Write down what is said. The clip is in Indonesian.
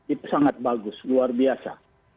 itu sangat bagus luar biasa